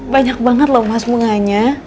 banyak banget loh mas bunganya